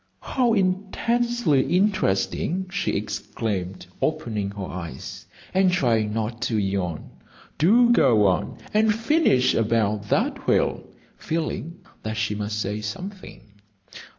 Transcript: "How intensely interesting!" she exclaimed, opening her eyes, and trying not to yawn. "Do go on, and finish about that whale," feeling that she must say something.